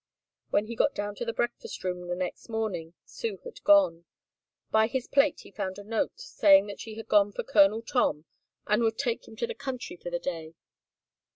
When he got down to the breakfast room the next morning Sue had gone. By his plate he found a note saying that she had gone for Colonel Tom and would take him to the country for the day.